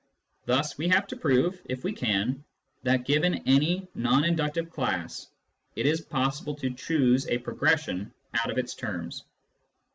Thus we have to prove, if we can, that, given any non inductive class, it is possible to choose a progression out of its terms.